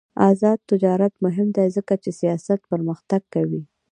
آزاد تجارت مهم دی ځکه چې سیاحت پرمختګ کوي.